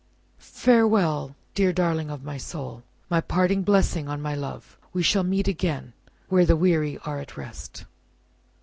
"Farewell, dear darling of my soul. My parting blessing on my love. We shall meet again, where the weary are at rest!"